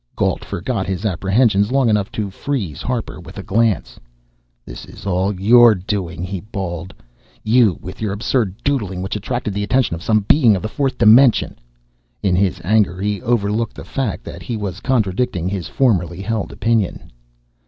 Gault forgot his apprehensions long enough to freeze Harper with a glance. "This is all your doing," he bawled. "You with your absurd doodling, which attracted the attention of some Being of the fourth dimension!" In his anger, he overlooked the fact that he was contradicting his formerly held opinion.